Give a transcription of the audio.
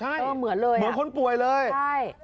ใช่เหมือนเลยเหมือนคนป่วยเลยใช่